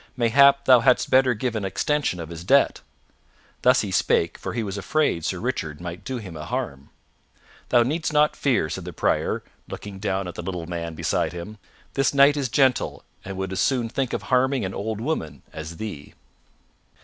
Mayhap thou hadst better give an extension of his debt." Thus he spake, for he was afraid Sir Richard might do him a harm. "Thou needst not fear," said the Prior, looking down at the little man beside him. "This knight is gentle and would as soon think of harming an old woman as thee."